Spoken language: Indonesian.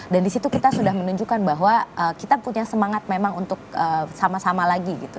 dan di situ kita sudah menunjukkan bahwa kita punya semangat memang untuk sama sama lagi gitu